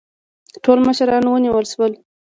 ټول مشران ونیول شول.